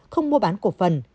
không mua bán cổ phần